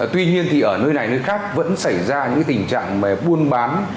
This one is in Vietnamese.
tuy nhiên thì ở nơi này nơi khác vẫn xảy ra những tình trạng mà buôn bán